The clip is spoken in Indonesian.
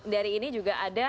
dari ini juga ada